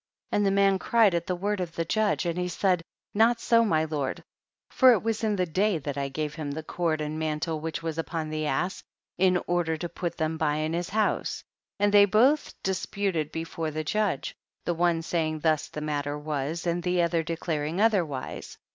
35. And the man cried at the word of the judge, and he said, not so my Lord, for it was in the day that I gave him the cord and mantle which was upon the ass, in order to j)Ut them by in his house ; and they both dis puted before the judge, the one say ing thus the matter was, and the other declaring otherwise.